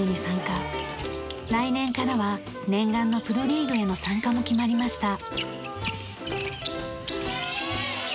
来年からは念願のプロリーグへの参加も決まりました。